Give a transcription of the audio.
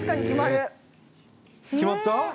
決まった？